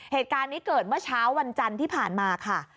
เหตุการณ์นี้เกิดเมื่อเช้าวันจันทร์ที่ผ่านมาค่ะ